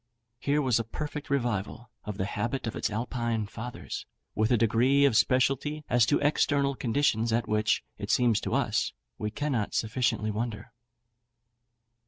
Here was a perfect revival of the habit of its Alpine fathers, with a degree of specialty as to external conditions at which, it seems to us, we cannot sufficiently wonder.